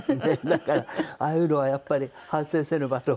だからああいうのはやっぱり反省せねばと。